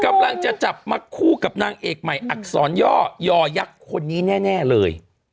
กำลังจะจับมาคู่กับนางเอกใหม่อักษรย่อยอยักษ์คนนี้แน่เลย